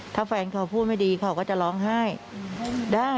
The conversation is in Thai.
ถ้าแฟนเขาพูดไม่ดีเขาก็จะร้องไห้ได้